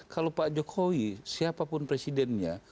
kalau pak jokowi siapapun presidennya